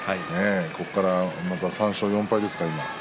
ここからまた、３勝４敗ですか